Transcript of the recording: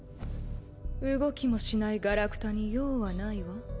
動きもしないガラクタに用はないわ。